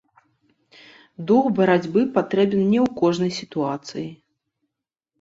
Дух барацьбы патрэбен не ў кожнай сітуацыі.